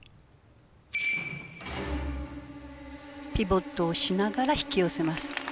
ピボットをしながら引き寄せます。